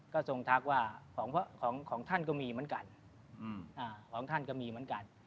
ก็ทรงทักว่าของท่านก็มีเหมือนกัน